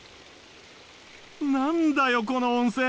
何だよこの温泉！